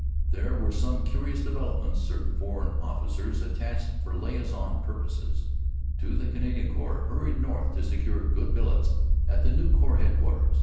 There were some curious developments. Certain foreign officers, attached for liason purposes to the Canadian Corps, hurried north to secure good billets at the new Corps Headquarters.